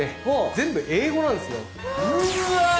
全部英語なんですよ。うわ。